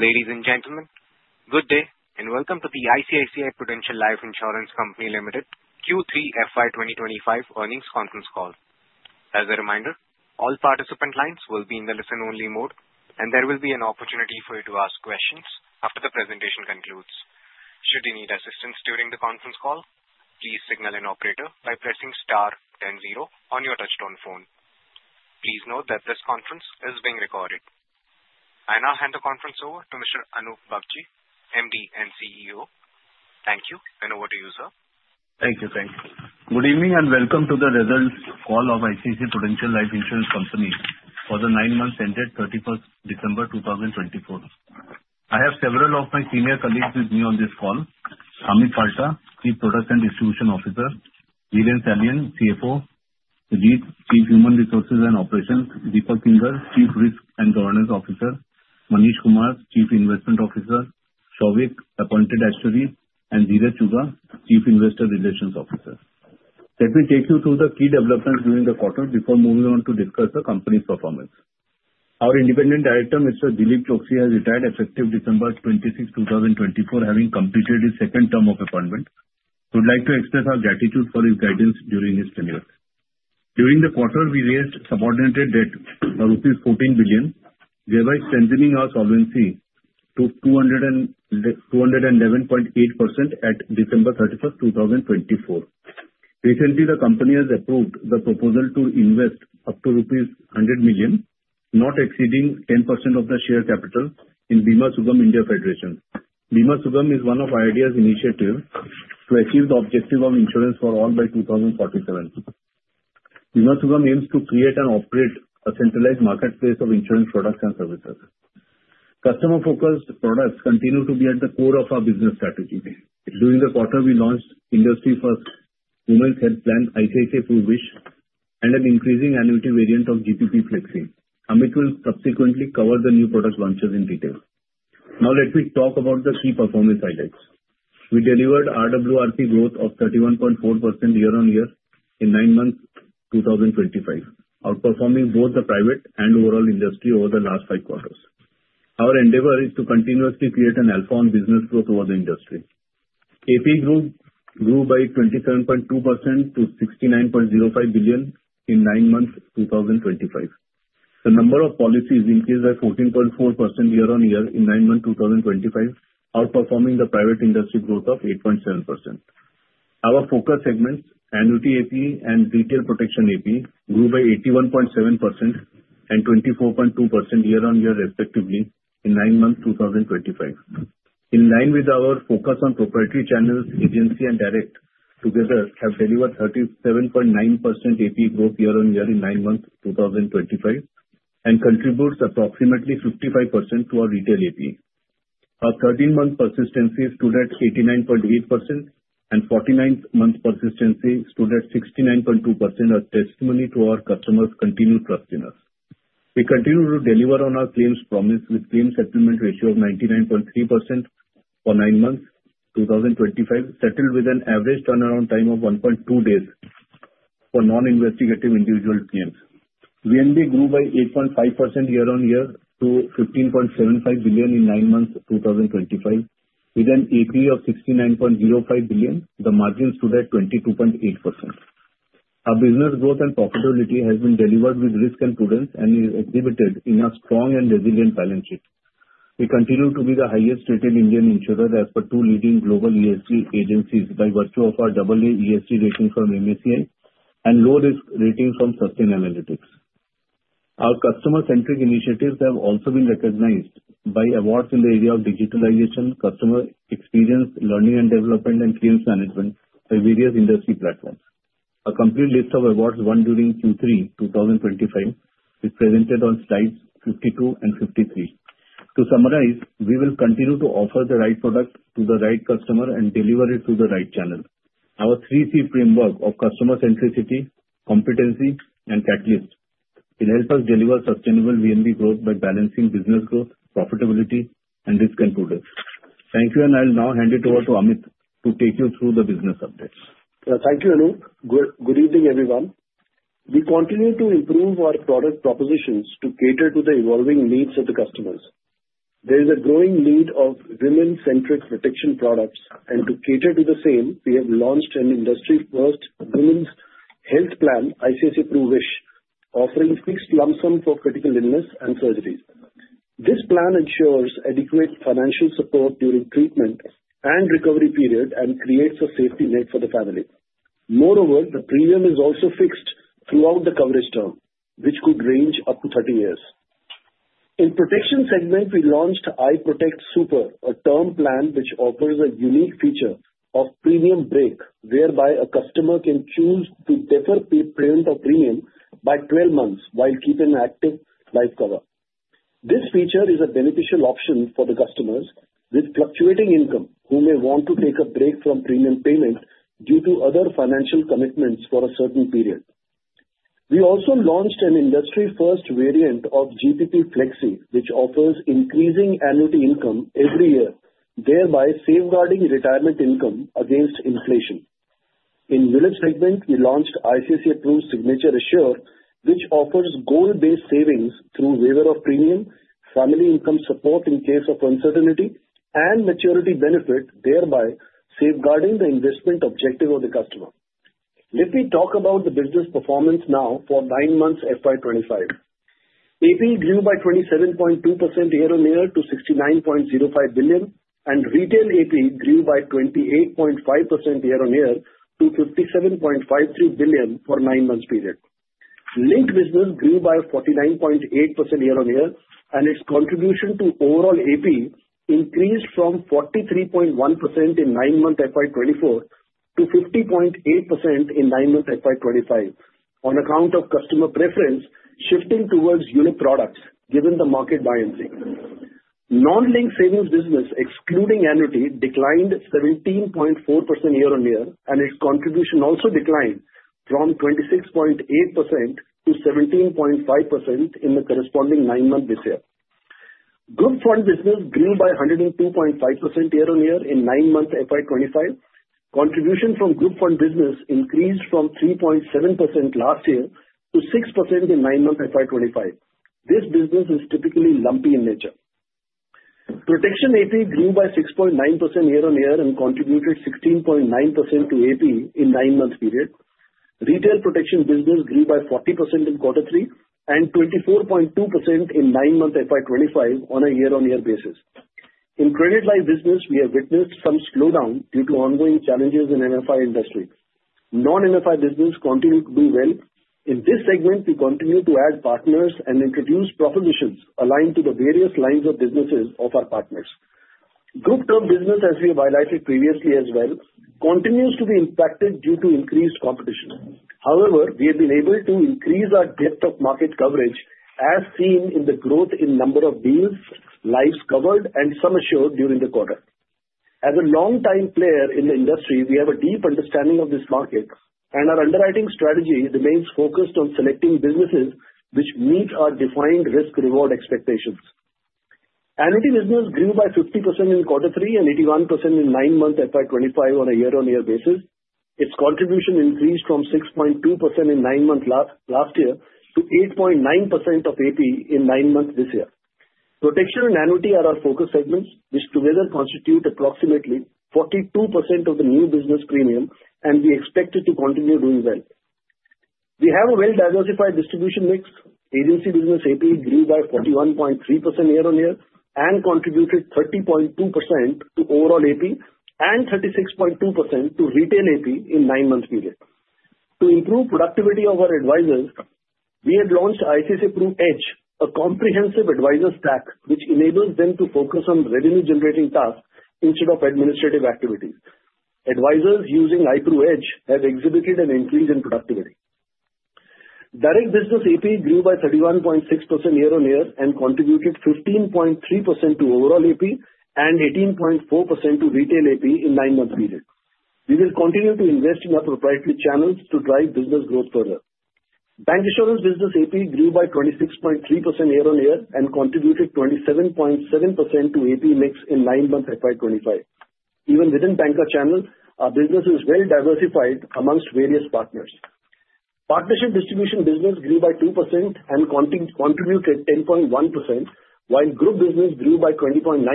Ladies and gentlemen, good day and welcome to the ICICI Prudential Life Insurance Company Limited Q3 FY 2025 earnings conference call. As a reminder, all participant lines will be in the listen-only mode, and there will be an opportunity for you to ask questions after the presentation concludes. Should you need assistance during the conference call, please signal an operator by pressing star 10 then zero on your touchtone phone. Please note that this conference is being recorded. I now hand the conference over to Mr. Anup Bagchi, MD and CEO. Thank you, and over to you, sir. Thank you, thank you. Good evening and welcome to the results call of ICICI Prudential Life Insurance Company for the nine months ended 31st December 2024. I have several of my senior colleagues with me on this call: Amit Palta, Chief Product and Distribution Officer; Dhiren Salian, CFO; Judhajit Das, Chief of Human Resources, Admin, and Operations; Deepak Kinger, Chief Risk and Governance Officer; Manish Kumar, Chief Investment Officer; Souvik Jash, Appointed Actuary; and Dheeraj Jagan, Head of Investor Relations. Let me take you through the key developments during the quarter before moving on to discuss the company's performance. Our independent director, Mr. Dilip Chokshi, has retired effective December 26, 2024, having completed his second term of appointment. We would like to express our gratitude for his guidance during his tenure. During the quarter, we raised subordinated debt for rupees 14 billion, thereby strengthening our solvency to 211.8% at December 31, 2024. Recently, the company has approved the proposal to invest up to rupees 100 million, not exceeding 10% of the share capital in Bima Sugam India Federation. Bima Sugam is one of IRDAI's initiatives to achieve the objective of insurance for all by 2047. Bima Sugam aims to create and operate a centralized marketplace of insurance products and services. Customer-focused products continue to be at the core of our business strategy. During the quarter, we launched industry-first women's health plan, ICICI Pru Wish, and an increasing annuity variant of GPP Flexi. Amit will subsequently cover the new product launches in detail. Now, let me talk about the key performance highlights. We delivered RWRP growth of 31.4% year-on-year in nine months 2025, outperforming both the private and overall industry over the last five quarters. Our endeavor is to continuously create an alpha on business growth over the industry. AP growth grew by 27.2% to 69.05 billion in nine months 2025. The number of policies increased by 14.4% year-on-year in nine months 2025, outperforming the private industry growth of 8.7%. Our focus segments, annuity AP and retail protection AP, grew by 81.7% and 24.2% year-on-year respectively in nine months 2025. In line with our focus on proprietary channels, agency, and direct, together have delivered 37.9% AP growth year-on-year in nine months 2025 and contributes approximately 55% to our retail AP. Our 13-month persistency stood at 89.8%, and 49-month persistency stood at 69.2%, a testimony to our customers' continued trust in us. We continue to deliver on our claims promise with claims settlement ratio of 99.3% for nine months 2025, settled with an average turnaround time of 1.2 days for non-investigative individual claims. VNB grew by 8.5% year-on-year to 15.75 billion in nine months 2025, with an AP of 69.05 billion. The margin stood at 22.8%. Our business growth and profitability has been delivered with risk and prudence and is exhibited in a strong and resilient balance sheet. We continue to be the highest-rated Indian insurer as per two leading global ESG agencies by virtue of our AA ESG rating from MSCI and low-risk rating from Sustainalytics. Our customer-centric initiatives have also been recognized by awards in the area of digitalization, customer experience, learning and development, and claims management by various industry platforms. A complete list of awards won during Q3 2025 is presented on slides 52 and 53. To summarize, we will continue to offer the right product to the right customer and deliver it through the right channel. Our three C framework of customer centricity, competency, and catalyst will help us deliver sustainable VNB growth by balancing business growth, profitability, and risk and prudence. Thank you, and I'll now hand it over to Amit to take you through the business updates. Thank you, Anup. Good evening, everyone. We continue to improve our product propositions to cater to the evolving needs of the customers. There is a growing need of women-centric protection products, and to cater to the same, we have launched an industry-first women's health plan, ICICI Prudential Life Insurance, offering fixed lump sum for critical illness and surgeries. This plan ensures adequate financial support during treatment and recovery period and creates a safety net for the family. Moreover, the premium is also fixed throughout the coverage term, which could range up to 30 years. In the protection segment, we launched iProtect Super, a term plan which offers a unique feature of premium break, whereby a customer can choose to defer payment of premium by 12 months while keeping active life cover. This feature is a beneficial option for the customers with fluctuating income who may want to take a break from premium payment due to other financial commitments for a certain period. We also launched an industry-first variant of GPP Flexi, which offers increasing annuity income every year, thereby safeguarding retirement income against inflation. In the ULIP segment, we launched ICICI Pru Signature Assure, which offers goal-based savings through waiver of premium, family income support in case of uncertainty, and maturity benefit, thereby safeguarding the investment objective of the customer. Let me talk about the business performance now for nine months FY 2025. AP grew by 27.2% year-on-year to 69.05 billion, and retail AP grew by 28.5% year-on-year to 57.53 billion for a nine-month period. Linked business grew by 49.8% year-on-year, and its contribution to overall AP increased from 43.1% in nine months FY 2024 to 50.8% in nine months FY 2025, on account of customer preference shifting towards unit products given the market biases. Non-linked savings business, excluding annuity, declined 17.4% year-on-year, and its contribution also declined from 26.8% to 17.5% in the corresponding nine months this year. Group fund business grew by 102.5% year-on-year in nine months FY 2025. Contribution from group fund business increased from 3.7% last year to 6% in nine months FY 2025. This business is typically lumpy in nature. Protection AP grew by 6.9% year-on-year and contributed 16.9% to AP in the nine-month period. Retail protection business grew by 40% in quarter three and 24.2% in nine months FY 2025 on a year-on-year basis. In Credit Life business, we have witnessed some slowdown due to ongoing challenges in MFI industry. Non-MFI business continued to do well. In this segment, we continue to add partners and introduce propositions aligned to the various lines of businesses of our partners. Group term business, as we have highlighted previously as well, continues to be impacted due to increased competition. However, we have been able to increase our depth of market coverage, as seen in the growth in number of deals, lives covered, and sum assured during the quarter. As a long-time player in the industry, we have a deep understanding of this market, and our underwriting strategy remains focused on selecting businesses which meet our defined risk-reward expectations. Annuity business grew by 50% in quarter three and 81% in nine months FY 2025 on a year-on-year basis. Its contribution increased from 6.2% in nine months last year to 8.9% of AP in nine months this year. Protection and annuity are our focus segments, which together constitute approximately 42% of the new business premium, and we expect it to continue doing well. We have a well-diversified distribution mix. Agency business AP grew by 41.3% year-on-year and contributed 30.2% to overall AP and 36.2% to retail AP in the nine-month period. To improve productivity of our advisors, we had launched ICICI Prudential Edge, a comprehensive advisor stack which enables them to focus on revenue-generating tasks instead of administrative activities. Advisors using iPruEdge have exhibited an increase in productivity. Direct business AP grew by 31.6% year-on-year and contributed 15.3% to overall AP and 18.4% to retail AP in the nine-month period. We will continue to invest in our proprietary channels to drive business growth further. Bancassurance business AP grew by 26.3% year-on-year and contributed 27.7% to AP mix in nine months FY 2025. Even within Banca channels, our business is well-diversified among various partners. Partnership distribution business grew by 2% and contributed 10.1%, while group business grew by 20.9%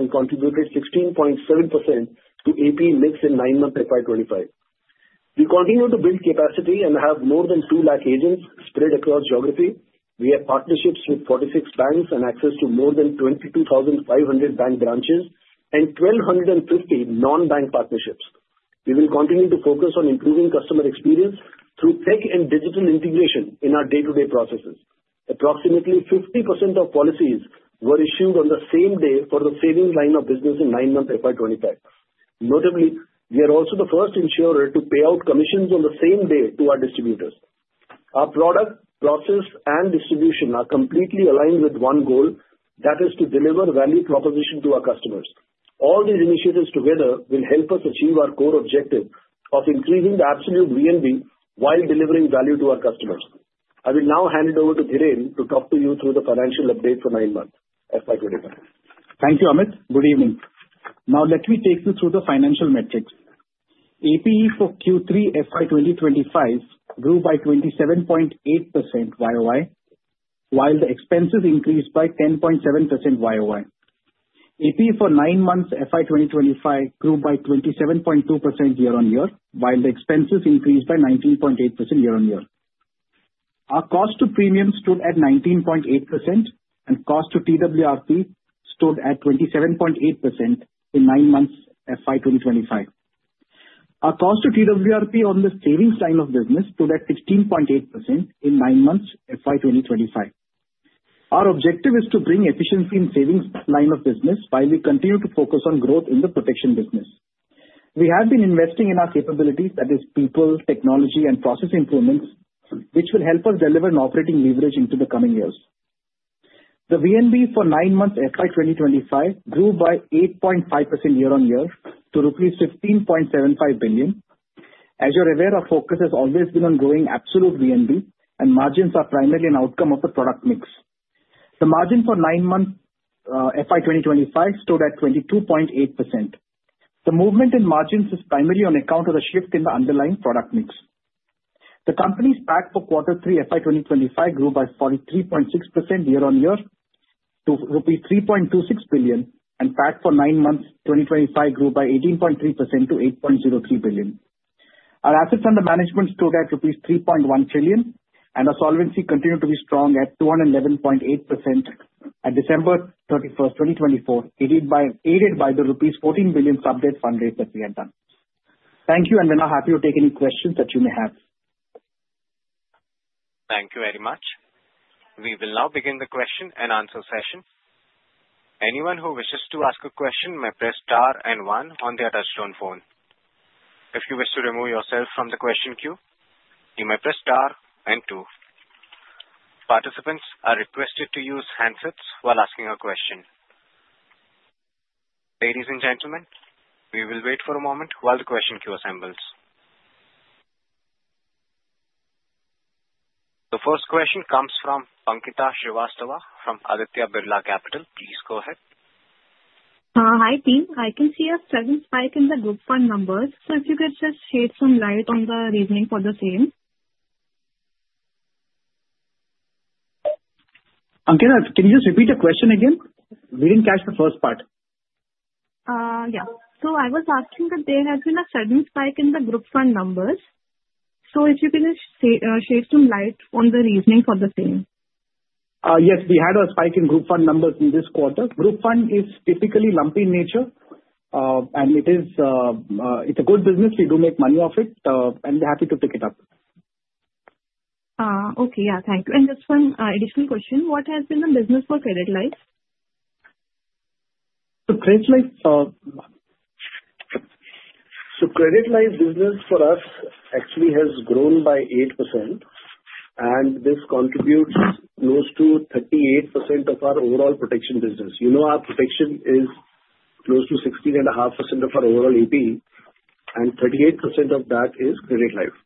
and contributed 16.7% to AP mix in nine months FY 2025. We continue to build capacity and have more than 2 lakh agents spread across geography. We have partnerships with 46 banks and access to more than 22,500 bank branches and 1,250 non-bank partnerships. We will continue to focus on improving customer experience through tech and digital integration in our day-to-day processes. Approximately 50% of policies were issued on the same day for the savings line of business in nine months FY 2025. Notably, we are also the first insurer to pay out commissions on the same day to our distributors. Our product, process, and distribution are completely aligned with one goal, that is to deliver value proposition to our customers. All these initiatives together will help us achieve our core objective of increasing the absolute VNB while delivering value to our customers. I will now hand it over to Dhiren to talk to you through the financial update for nine months FY 2025. Thank you, Amit. Good evening. Now, let me take you through the financial metrics. AP for Q3 FY 2025 grew by 27.8% YoY, while the expenses increased by 10.7% YoY. AP for nine months FY 2025 grew by 27.2% year-on-year, while the expenses increased by 19.8% year-on-year. Our cost to premium stood at 19.8%, and cost to TWRP stood at 27.8% in nine months FY 2025. Our cost to TWRP on the savings line of business stood at 16.8% in nine months FY 2025. Our objective is to bring efficiency in savings line of business while we continue to focus on growth in the protection business. We have been investing in our capabilities, that is people, technology, and process improvements, which will help us deliver an operating leverage into the coming years. The VNB for nine months FY 2025 grew by 8.5% year-on-year to rupees 15.75 billion. As you're aware, our focus has always been on growing absolute VNB, and margins are primarily an outcome of the product mix. The margin for nine months FY 2025 stood at 22.8%. The movement in margins is primarily on account of the shift in the underlying product mix. The company's PAT for quarter three FY 2025 grew by 43.6% year-on-year to rupees 3.26 billion, and PAT for nine months 2025 grew by 18.3% to 8.03 billion. Our assets under management stood at rupees 3.1 trillion, and our solvency continued to be strong at 211.8% at December 31, 2024, aided by the rupees 14 billion sub-debt fundraiser that we had done. Thank you, and we're now happy to take any questions that you may have. Thank you very much. We will now begin the question and answer session. Anyone who wishes to ask a question may press star and one on their touchtone phone. If you wish to remove yourself from the question queue, you may press star and two. Participants are requested to use handsets while asking a question. Ladies and gentlemen, we will wait for a moment while the question queue assembles. The first question comes from Pankita Srivastava from Aditya Birla Capital. Please go ahead. Hi, team. I can see a sudden spike in the Group Fund numbers. So if you could just shed some light on the reasoning for the same. Pankita, can you just repeat the question again? We didn't catch the first part. Yeah, so I was asking that there has been a sudden spike in the group fund numbers, so if you can shed some light on the reasoning for the same. Yes, we had a spike in Group Fund numbers in this quarter. Group Fund is typically lumpy in nature, and it's a good business. We do make money off it, and we're happy to pick it up. Okay. Yeah. Thank you. And just one additional question. What has been the business for Credit Life? Credit Life business for us actually has grown by 8%, and this contributes close to 38% of our overall protection business. You know our protection is close to 16.5% of our overall AP, and 38% of that is Credit Life.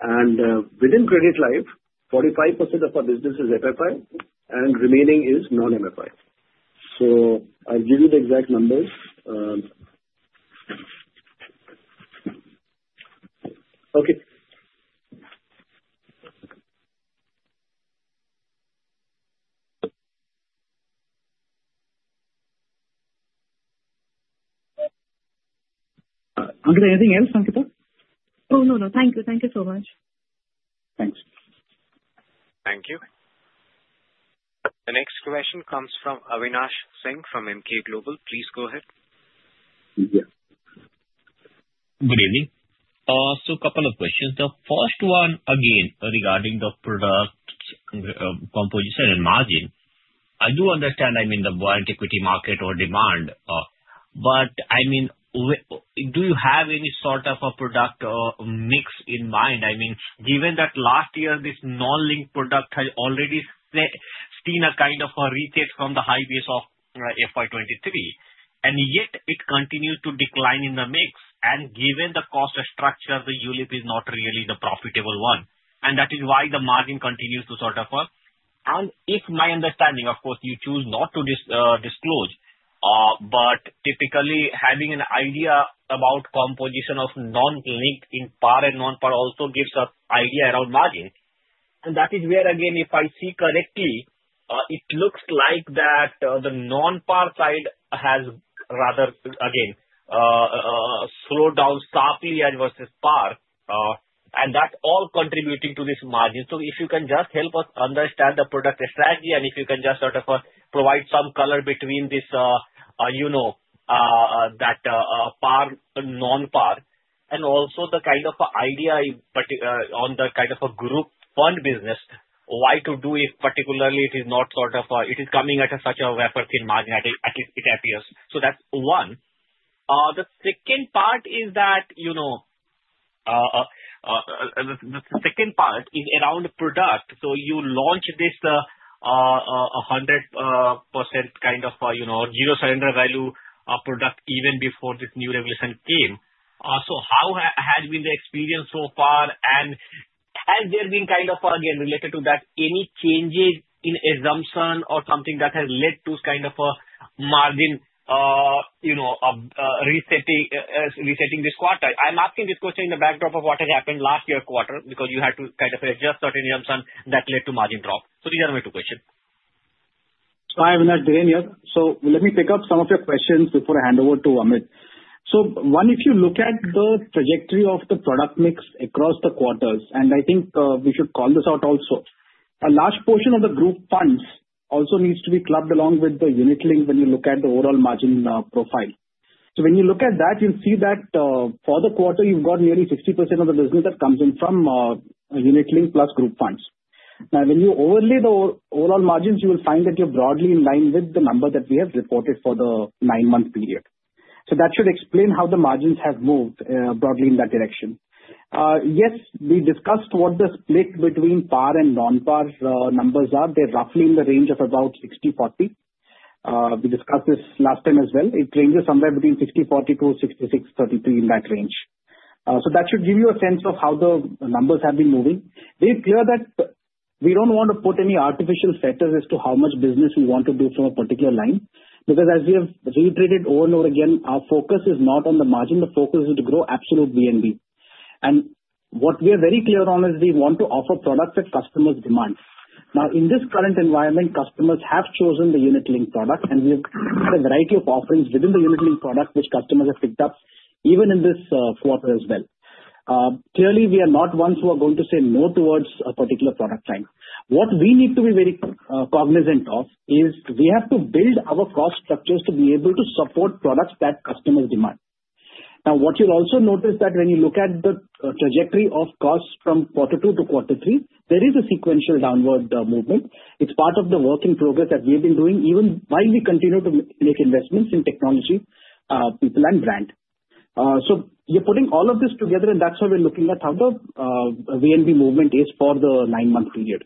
Within Credit Life, 45% of our business is MFI, and remaining is non-MFI. I'll give you the exact numbers. Okay. Pankita, anything else, Pankita? Oh, no, no. Thank you. Thank you so much. Thanks. Thank you. The next question comes from Avinash Singh from Emkay Global. Please go ahead. Good evening. So a couple of questions. The first one, again, regarding the product composition and margin. I do understand the buoyant equity market and demand, but do you have any sort of a product mix in mind? I mean, given that last year this non-linked product has already seen a kind of a retreat from the high pace of FY 2023, and yet it continued to decline in the mix. And given the cost structure, the ULIP is not really the profitable one, and that is why the margin continues to sort of. And in my understanding, of course, you choose not to disclose, but typically having an idea about composition of non-linked PAR and non-PAR also gives an idea around margin. That is where, again, if I see correctly, it looks like that the non-PAR side has rather, again, slowed down sharply versus PAR, and that's all contributing to this margin. If you can just help us understand the product strategy, and if you can just sort of provide some color between this, you know, that PAR, non-PAR, and also the kind of idea on the kind of a Group Fund business, why to do it particularly, it is not sort of a, it is coming at such a rapid margin, at least it appears. That's one. The second part is that, you know, the second part is around product. You launched this 100% kind of zero surrender value product even before this new regulation came. So how has been the experience so far, and has there been kind of, again, related to that, any changes in assumption or something that has led to kind of a margin, you know, resetting this quarter? I'm asking this question in the backdrop of what has happened last year quarter because you had to kind of adjust certain assumption that led to margin drop. So these are my two questions. So I will not delay any other. So let me pick up some of your questions before I hand over to Amit. So one, if you look at the trajectory of the product mix across the quarters, and I think we should call this out also, a large portion of the group funds also needs to be clubbed along with the Unit Linked when you look at the overall margin profile. So when you look at that, you'll see that for the quarter, you've got nearly 60% of the business that comes in from Unit Linked plus group funds. Now, when you overlay the overall margins, you will find that you're broadly in line with the number that we have reported for the nine-month period. So that should explain how the margins have moved broadly in that direction. Yes, we discussed what the split between PAR and non-PAR numbers are. They're roughly in the range of about 60/40. We discussed this last time as well. It ranges somewhere between 60/40 to 66/33 in that range. So that should give you a sense of how the numbers have been moving. Be clear that we don't want to put any artificial factors as to how much business we want to do from a particular line because, as we have reiterated over and over again, our focus is not on the margin. The focus is to grow absolute VNB. And what we are very clear on is we want to offer products that customers demand. Now, in this current environment, customers have chosen the Unit Linked product, and we have a variety of offerings within the Unit Linked product, which customers have picked up even in this quarter as well. Clearly, we are not ones who are going to say no towards a particular product line. What we need to be very cognizant of is we have to build our cost structures to be able to support products that customers demand. Now, what you'll also notice is that when you look at the trajectory of costs from quarter two to quarter three, there is a sequential downward movement. It's part of the work in progress that we have been doing even while we continue to make investments in technology, people, and brand. So you're putting all of this together, and that's why we're looking at how the VNB movement is for the nine-month period.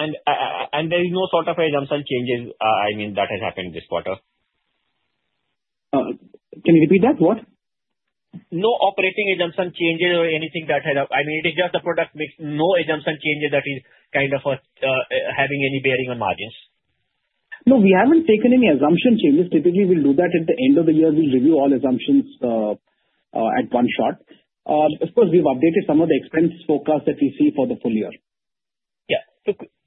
There is no sort of assumption changes, I mean, that has happened this quarter? Can you repeat that? What? No operating assumption changes or anything that had, I mean, it is just a product mix, no assumption changes that is kind of having any bearing on margins. No, we haven't taken any assumption changes. Typically, we'll do that at the end of the year. We'll review all assumptions at one shot. Of course, we've updated some of the expense forecasts that we see for the full year. Yeah.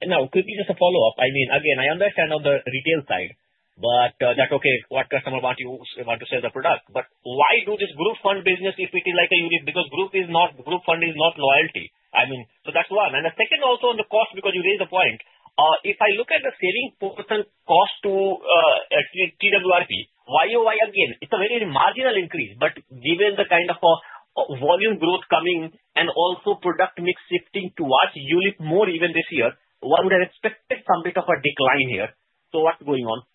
Now, quickly, just a follow-up. I mean, again, I understand on the retail side, but that's okay. What customer wants you to sell the product, but why do this group fund business if it is like a unit? Because group fund is not loyalty. I mean, so that's one. And the second also on the cost, because you raised the point, if I look at the savings cost to TWRP, YOI, again, it's a very marginal increase, but given the kind of volume growth coming and also product mix shifting towards ULIP more even this year, why would I expect some bit of a decline here? So what's going on?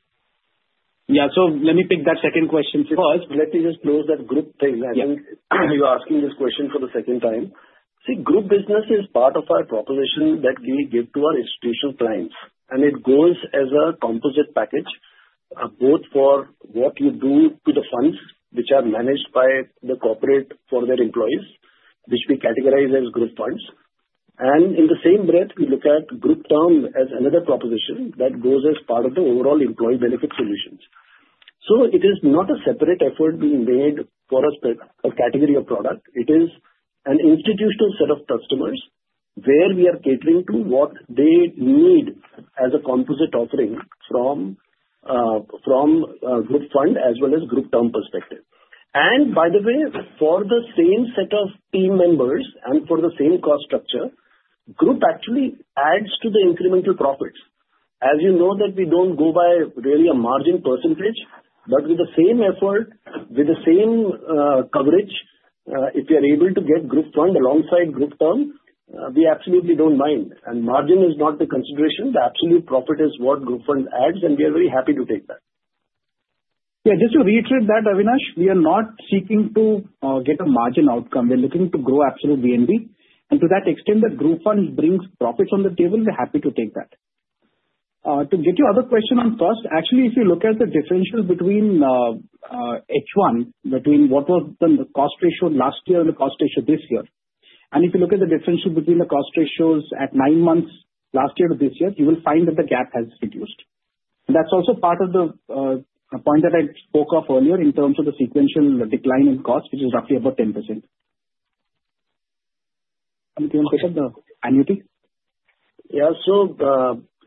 Yeah. So let me pick that second question first. Let me just close that group thing. I think you're asking this question for the second time. See, group business is part of our proposition that we give to our institutional clients, and it goes as a composite package both for what you do to the funds which are managed by the corporate for their employees, which we categorize as group funds. And in the same breath, we look at group term as another proposition that goes as part of the overall employee benefit solutions. So it is not a separate effort being made for a category of product. It is an institutional set of customers where we are catering to what they need as a composite offering from group fund as well as group term perspective. And by the way, for the same set of team members and for the same cost structure, group actually adds to the incremental profits. As you know that we don't go by really a margin percentage, but with the same effort, with the same coverage, if you're able to get group fund alongside group term, we absolutely don't mind. And margin is not the consideration. The absolute profit is what group fund adds, and we are very happy to take that. Yeah. Just to reiterate that, Avinash, we are not seeking to get a margin outcome. We're looking to grow absolute VNB. And to that extent, the group fund brings profits on the table. We're happy to take that. To get your other question on cost, actually, if you look at the differential between H1, between what was the cost ratio last year and the cost ratio this year, and if you look at the differential between the cost ratios at nine months last year to this year, you will find that the gap has reduced. And that's also part of the point that I spoke of earlier in terms of the sequential decline in cost, which is roughly about 10%. Pick up the annuity. Yeah. So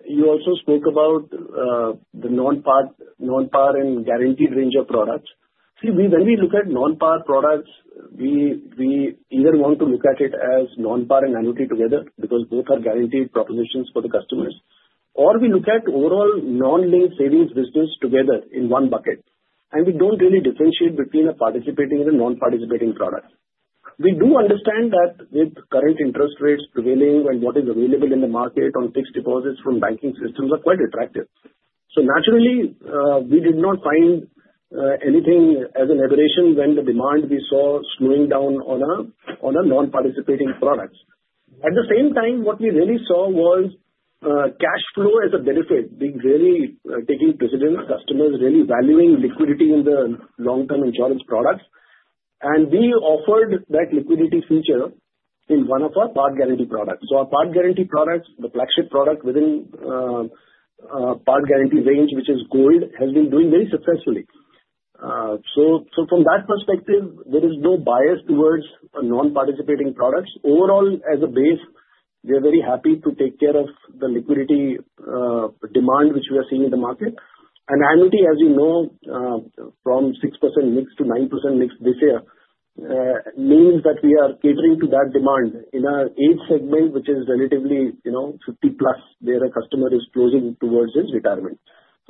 you also spoke about the non-par and guaranteed range of products. See, when we look at non-par products, we either want to look at it as non-par and annuity together because both are guaranteed propositions for the customers, or we look at overall non-linked savings business together in one bucket. And we don't really differentiate between a participating and a non-participating product. We do understand that with current interest rates prevailing and what is available in the market on fixed deposits from banking systems are quite attractive. So naturally, we did not find anything as an aberration when the demand we saw slowing down on a non-participating product. At the same time, what we really saw was cash flow as a benefit, being really taking precedence, customers really valuing liquidity in the long-term insurance products. We offered that liquidity feature in one of our PAR guarantee products. Our PAR guarantee products, the flagship product within PAR guarantee range, which is Gold, has been doing very successfully. From that perspective, there is no bias towards non-participating products. Overall, as a base, we are very happy to take care of the liquidity demand which we are seeing in the market. Annuity, as you know, from 6% mix to 9% mix this year means that we are catering to that demand in an age segment which is relatively 50+. There are customers closing towards this retirement.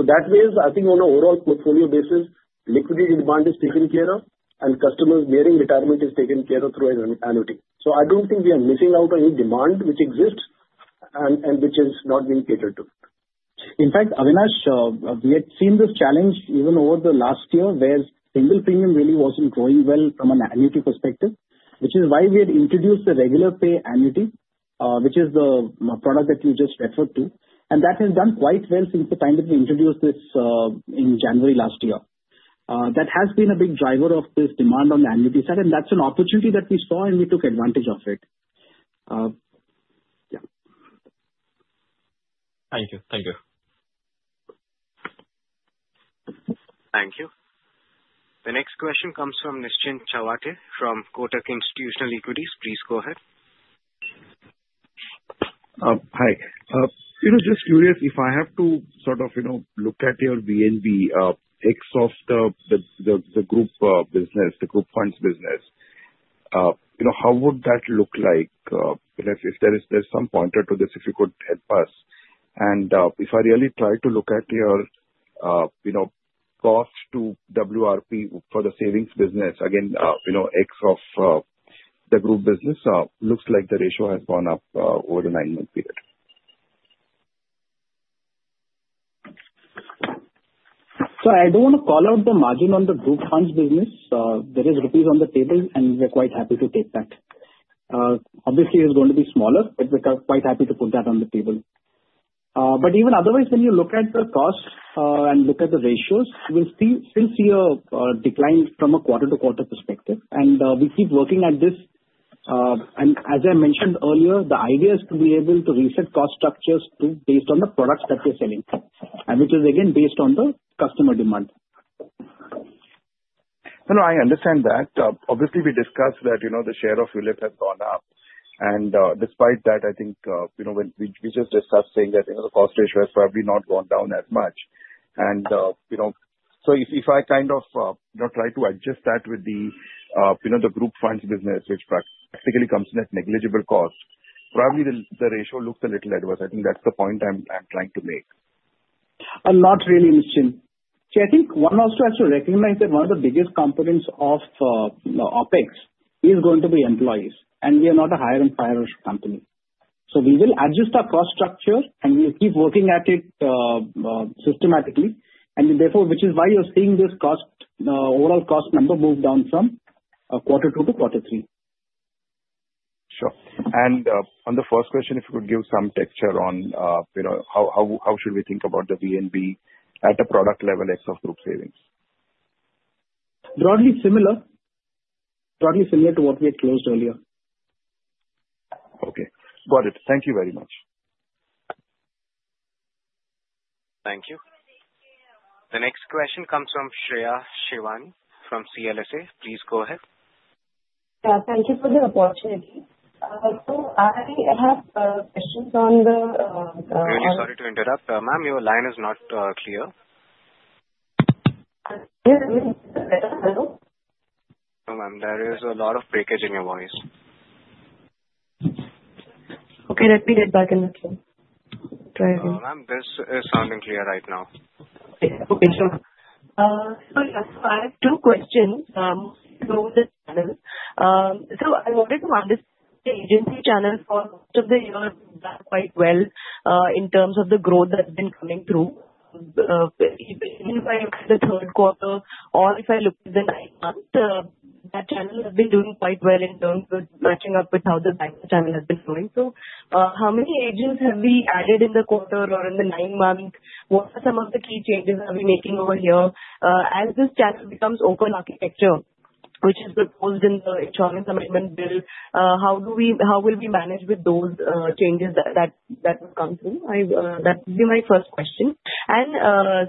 So that means, I think, on an overall portfolio basis, liquidity demand is taken care of, and customers nearing retirement is taken care of through annuity. So I don't think we are missing out on any demand which exists and which is not being catered to. In fact, Avinash, we had seen this challenge even over the last year where single premium really wasn't growing well from an annuity perspective, which is why we had introduced the regular pay annuity, which is the product that you just referred to. And that has done quite well since the time that we introduced this in January last year. That has been a big driver of this demand on the annuity side, and that's an opportunity that we saw, and we took advantage of it. Yeah. Thank you. Thank you. Thank you. The next question comes from Nischint Chawathe from Kotak Institutional Equities. Please go ahead. Hi. Just curious, if I have to sort of look at your VNB ex of the group business, the group funds business, how would that look like? If there's some pointer to this, if you could help us. And if I really try to look at your cost to WRP for the savings business, again, ex of the group business, looks like the ratio has gone up over the nine-month period. So I don't want to call out the margin on the group funds business. There is rupees on the table, and we're quite happy to take that. Obviously, it's going to be smaller, but we're quite happy to put that on the table. But even otherwise, when you look at the cost and look at the ratios, you will see the decline from a quarter-to-quarter perspective, and we keep working at this. And as I mentioned earlier, the idea is to be able to reset cost structures based on the products that we're selling, which is again based on the customer demand. No, no, I understand that. Obviously, we discussed that the share of ULIP has gone up. And despite that, I think we just discussed saying that the cost ratio has probably not gone down as much. And so if I kind of try to adjust that with the group funds business, which practically comes in at negligible cost, probably the ratio looks a little adverse. I think that's the point I'm trying to make. I'm not really, Nischint. See, I think one also has to recognize that one of the biggest components of OpEx is going to be employees, and we are not a hire-and-fire company. So we will adjust our cost structure, and we'll keep working at it systematically, and therefore, which is why you're seeing this overall cost number move down from quarter two to quarter three. Sure. And on the first question, if you could give some texture on how should we think about the VNB at a product level in group savings? Broadly similar. Broadly similar to what we had closed earlier. Okay. Got it. Thank you very much. Thank you. The next question comes from Shreya Shivani from CLSA. Please go ahead. Thank you for the opportunity. So I have questions on the. Sorry to interrupt, ma'am. Your line is not clear. Yes, I can hear you better. Hello? No, ma'am. There is a lot of breakage in your voice. Okay. Let me get back in the stream. Try again. No, ma'am. This is sounding clear right now. Okay. Okay. Sure. So yes, I have two questions from this panel. So I wanted to understand the agency channel for most of the year has done quite well in terms of the growth that's been coming through. Even if I look at the third quarter or if I look at the nine-month, that channel has been doing quite well in terms of matching up with how the bancassurance channel has been growing. So how many agents have we added in the quarter or in the nine-month? What are some of the key changes that we're making over here? As this channel becomes open architecture, which is proposed in the insurance amendment bill, how will we manage with those changes that will come through? That would be my first question. And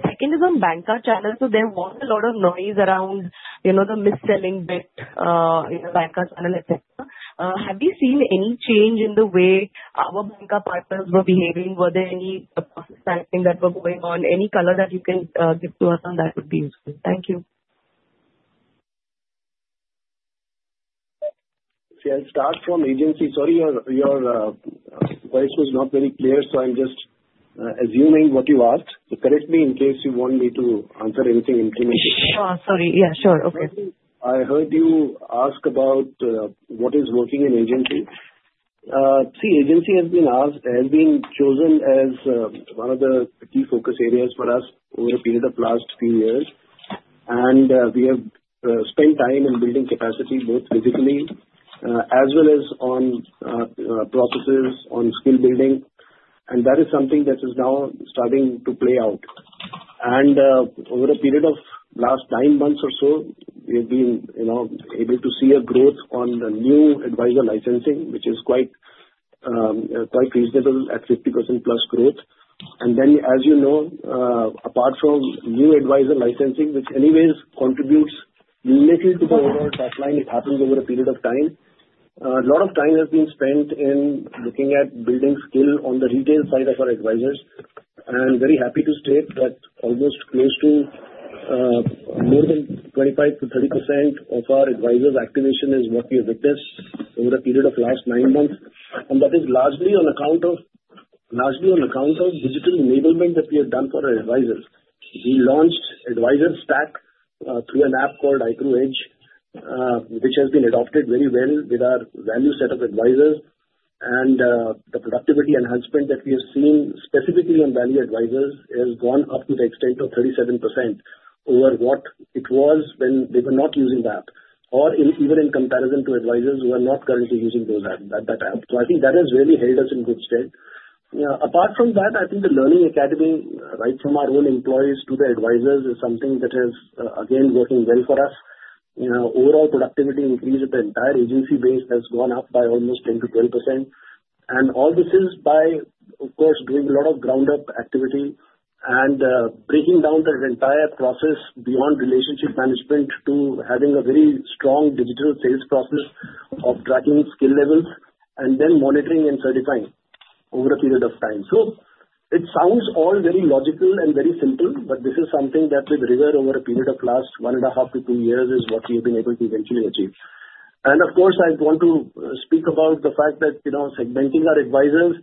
second is on bancassurance channel. So there was a lot of noise around the mis-selling bit, bancassurance channel, etc. Have you seen any change in the way our Banca partners were behaving? Were there any processes that were going on? Any color that you can give to us on that would be useful. Thank you. See, I'll start from agency. Sorry, your voice was not very clear, so I'm just assuming what you asked. So correct me in case you want me to answer anything incrementally. Oh, sorry. Yeah. Sure. Okay. I heard you ask about what is working in agency. See, agency has been chosen as one of the key focus areas for us over a period of the last few years. And we have spent time in building capacity, both physically as well as on processes, on skill building. And that is something that is now starting to play out. And over a period of the last nine months or so, we have been able to see a growth on the new advisor licensing, which is quite reasonable at 50% plus growth. And then, as you know, apart from new advisor licensing, which anyways contributes little to the overall pipeline if it happens over a period of time, a lot of time has been spent in looking at building skill on the retail side of our advisors. Very happy to state that almost close to more than 25% to 30% of our advisors' activation is what we have witnessed over a period of the last nine months. That is largely on account of digital enablement that we have done for our advisors. We launched advisor stack through an app called ICICI Prudential Edge, which has been adopted very well with our value set of advisors. The productivity enhancement that we have seen specifically on value advisors has gone up to the extent of 37% over what it was when they were not using the app, or even in comparison to advisors who are not currently using that app. So I think that has really held us in good stead. Apart from that, I think the learning academy right from our own employees to the advisors is something that has, again, worked well for us. Overall productivity increase at the entire agency base has gone up by almost 10% to 12%. And all this is by, of course, doing a lot of ground-up activity and breaking down the entire process beyond relationship management to having a very strong digital sales process of tracking skill levels and then monitoring and certifying over a period of time. So it sounds all very logical and very simple, but this is something that we've delivered over a period of the last one and a half to two years is what we have been able to eventually achieve. And of course, I want to speak about the fact that segmenting our advisors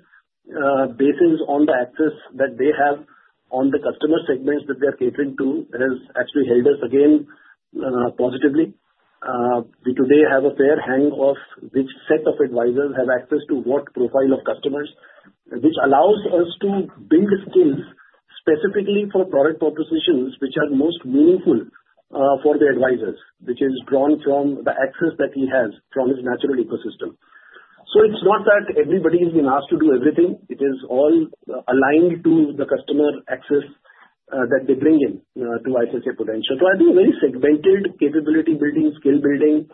based on the access that they have on the customer segments that they are catering to has actually held us again positively. We today have a fair hang of which set of advisors have access to what profile of customers, which allows us to build skills specifically for product propositions which are most meaningful for the advisors, which is drawn from the access that he has from his natural ecosystem. It's not that everybody has been asked to do everything. It is all aligned to the customer access that they bring in to ICICI Prudential. I think very segmented capability building, skill building,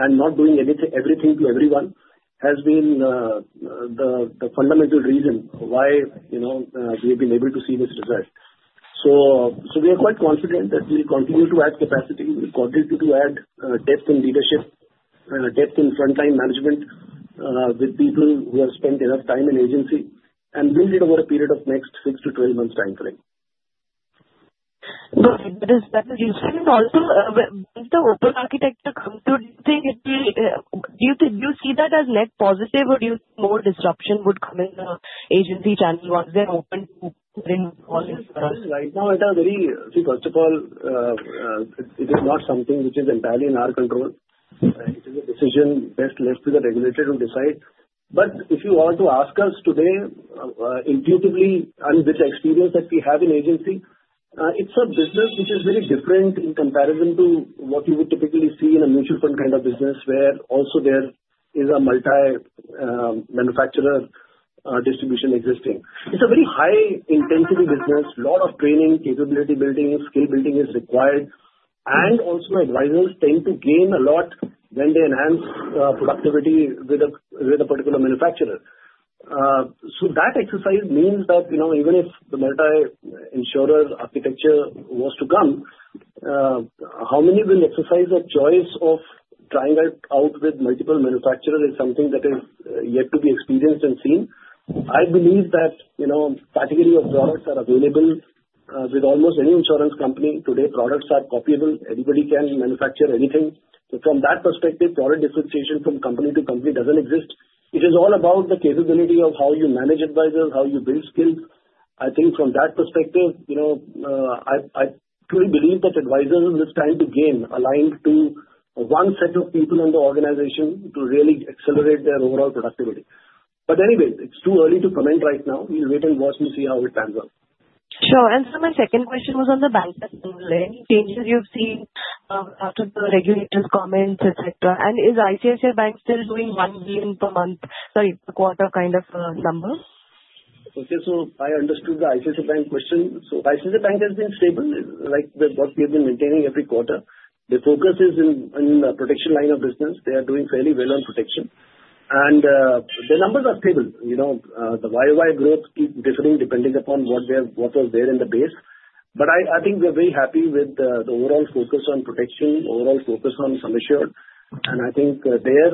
and not doing everything to everyone has been the fundamental reason why we have been able to see this result. We are quite confident that we will continue to add capacity. We will continue to add depth in leadership, depth in frontline management with people who have spent enough time in agency and build it over a period of the next six to 12 months' time frame. But is that what you said also? With the open architecture coming to, do you think you see that as net positive, or do you think more disruption would come in the agency channel once they're open to bring all these products? Right now, it is very, see, first of all, it is not something which is entirely in our control. It is a decision best left to the regulator to decide. But if you are to ask us today, intuitively, and with the experience that we have in agency, it's a business which is very different in comparison to what you would typically see in a mutual fund kind of business where also there is a multi-manufacturer distribution existing. It's a very high-intensity business, a lot of training, capability building, skill building is required. And also, advisors tend to gain a lot when they enhance productivity with a particular manufacturer. So that exercise means that even if the multi-insurer architecture was to come, how many will exercise that choice of trying out with multiple manufacturers is something that is yet to be experienced and seen. I believe that category of products are available with almost any insurance company today. Products are copyable. Anybody can manufacture anything. So from that perspective, product differentiation from company to company doesn't exist. It is all about the capability of how you manage advisors, how you build skills. I think from that perspective, I truly believe that advisors will stand to gain aligned to one set of people in the organization to really accelerate their overall productivity. But anyway, it's too early to comment right now. We'll wait and watch and see how it pans out. Sure, and so my second question was on the bank side. Any changes you've seen after the regulator's comments, etc., and is ICICI Bank still doing one billion per month? Sorry, per quarter kind of number? Okay. So I understood the ICICI Bank question. So ICICI Bank has been stable. We have been maintaining every quarter. The focus is on the protection line of business. They are doing fairly well on protection. And the numbers are stable. The YoY growth keeps differing depending upon what was there in the base. But I think we are very happy with the overall focus on protection, overall focus on sum assured. And I think there,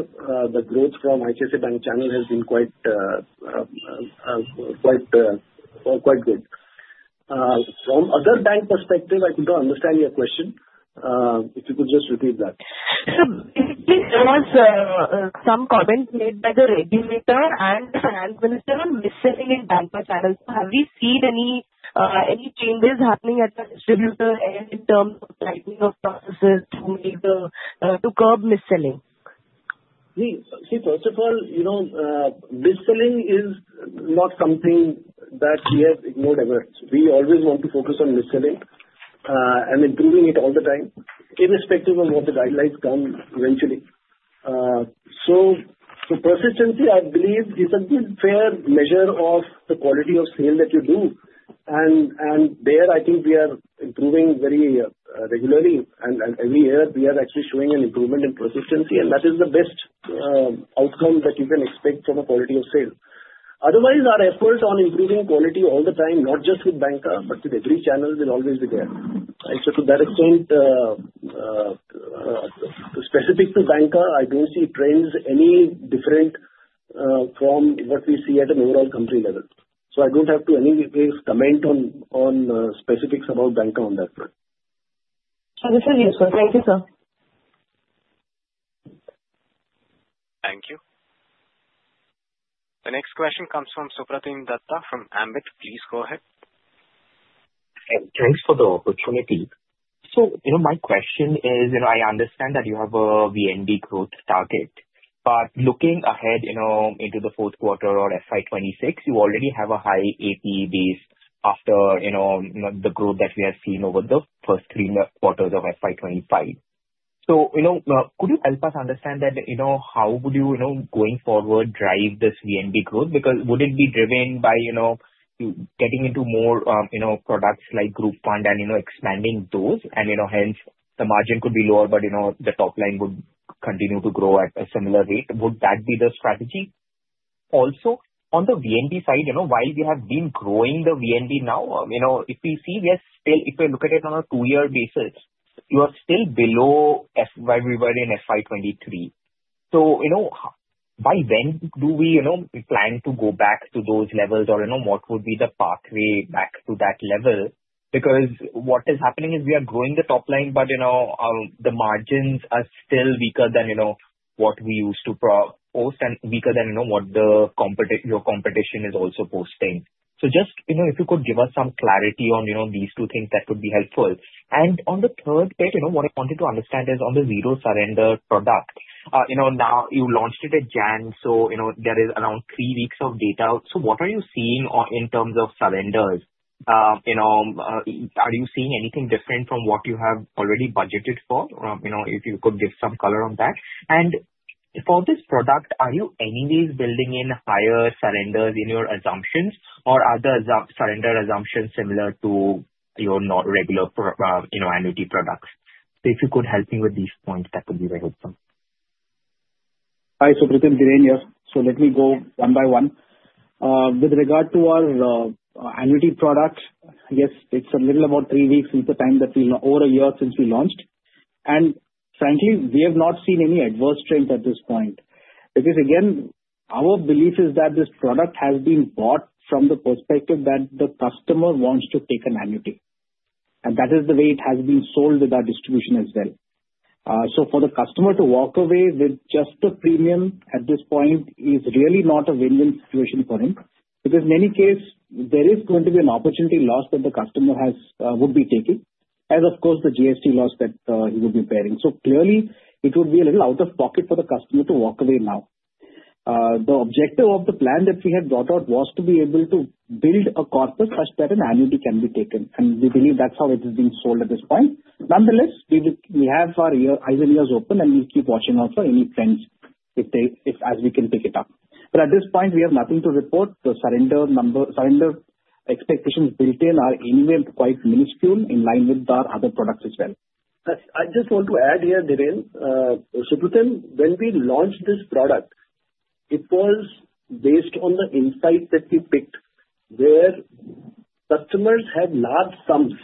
the growth from ICICI Bank channel has been quite good. From other bank perspective, I could not understand your question. If you could just repeat that. So if it was some comments made by the regulator and the finance minister on mis-selling in Banca channels, have we seen any changes happening at the distributor end in terms of tightening of processes to curb mis-selling? See, first of all, mis-selling is not something that we have ignored ever. We always want to focus on mis-selling and improving it all the time irrespective of what the guidelines come eventually. So persistency, I believe, is a good, fair measure of the quality of sale that you do. And there, I think we are improving very regularly. And every year, we are actually showing an improvement in persistency. And that is the best outcome that you can expect from a quality of sale. Otherwise, our effort on improving quality all the time, not just with Banca, but with every channel, will always be there. And so to that extent, specific to Banca, I don't see trends any different from what we see at an overall company level. So I don't have to anyway comment on specifics about Banca on that front. So this is useful. Thank you, sir. Thank you. The next question comes from Supratim Datta from Ambit. Please go ahead. Thanks for the opportunity. So my question is, I understand that you have a VNB growth target. But looking ahead into the fourth quarter or FY 2026, you already have a high APE base after the growth that we have seen over the first three quarters of FY 2025. So could you help us understand that how would you, going forward, drive this VNB growth? Because would it be driven by getting into more products like Group Fund and expanding those, and hence the margin could be lower, but the top line would continue to grow at a similar rate? Would that be the strategy? Also, on the VNB side, while we have been growing the VNB now, if we see we are still, if we look at it on a two-year basis, you are still below where we were in FY 2023. By when do we plan to go back to those levels, or what would be the pathway back to that level? Because what is happening is we are growing the top line, but the margins are still weaker than what we used to post and weaker than what your competition is also posting. Just if you could give us some clarity on these two things, that would be helpful. On the third bit, what I wanted to understand is on the zero surrender product. Now, you launched it in January, so there is around three weeks of data. What are you seeing in terms of surrenders? Are you seeing anything different from what you have already budgeted for? If you could give some color on that. For this product, are you anyways building in higher surrenders in your assumptions or other surrender assumptions similar to your regular annuity products? If you could help me with these points, that would be very helpful. Hi, Dhiren here. So let me go one by one. With regard to our annuity product, yes, it's a little over a year since we launched. Frankly, we have not seen any adverse trends at this point. Because again, our belief is that this product has been bought from the perspective that the customer wants to take an annuity. And that is the way it has been sold with our distribution as well. So for the customer to walk away with just the premium at this point is really not a win-win situation for him. Because in any case, there is going to be an opportunity loss that the customer would be taking, as of course, the GST loss that he would be bearing. So clearly, it would be a little out of pocket for the customer to walk away now. The objective of the plan that we had brought out was to be able to build a corpus such that an annuity can be taken. And we believe that's how it is being sold at this point. Nonetheless, we have our eyes and ears open, and we'll keep watching out for any trends as we can pick it up. But at this point, we have nothing to report. The surrender expectations built in are anyway quite minuscule in line with our other products as well. I just want to add here, Dhiren, Supratim, when we launched this product, it was based on the insight that we picked where customers had large sums,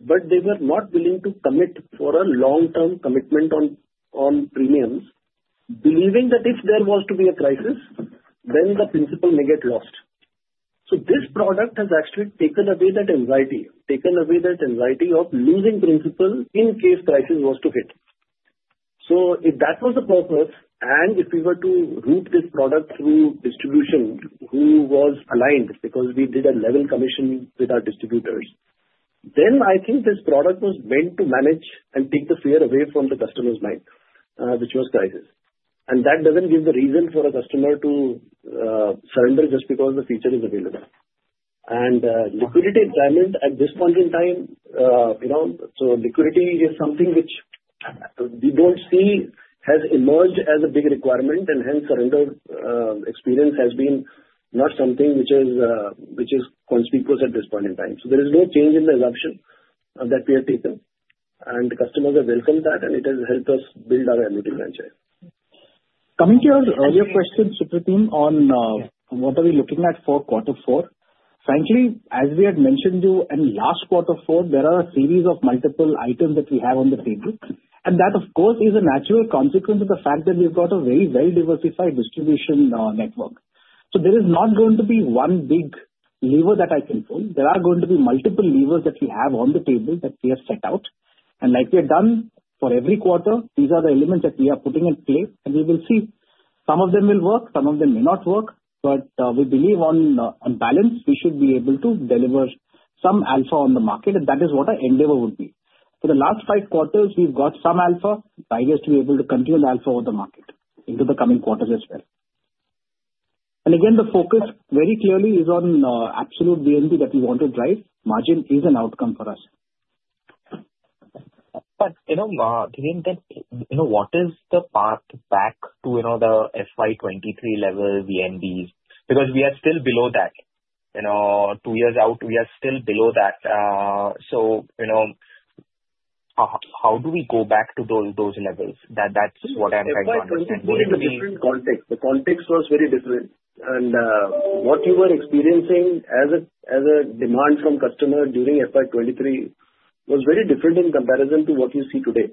but they were not willing to commit for a long-term commitment on premiums, believing that if there was to be a crisis, then the principal may get lost, so this product has actually taken away that anxiety, taken away that anxiety of losing principal in case crisis was to hit, so if that was the purpose, and if we were to route this product through distribution, who was aligned? Because we did a level commission with our distributors, then I think this product was meant to manage and take the fear away from the customer's mind, which was crisis, and that doesn't give the reason for a customer to surrender just because the feature is available. Liquidity environment at this point in time, so liquidity is something which we don't see has emerged as a big requirement, and hence surrender experience has been not something which is conspicuous at this point in time. There is no change in the assumption that we have taken. The customers have welcomed that, and it has helped us build our annuity franchise. Coming to your earlier question, Supratim, on what are we looking at for quarter four? Frankly, as we had mentioned to you, in last quarter four, there are a series of multiple items that we have on the table. That, of course, is a natural consequence of the fact that we've got a very, very diversified distribution network. There is not going to be one big lever that I can pull. There are going to be multiple levers that we have on the table that we have set out. And like we have done for every quarter, these are the elements that we are putting in place. And we will see. Some of them will work. Some of them may not work. But we believe on balance, we should be able to deliver some alpha on the market. And that is what our endeavor would be. For the last five quarters, we've got some alpha. The idea is to be able to continue the alpha of the market into the coming quarters as well. And again, the focus very clearly is on absolute VNB that we want to drive. Margin is an outcome for us. But Dhiren, what is the path back to the FY 2023 level VNBs? Because we are still below that. Two years out, we are still below that. So how do we go back to those levels? That's what I'm trying to understand. It was a very different context. The context was very different. And what you were experiencing as a demand from customers during FY 2023 was very different in comparison to what you see today.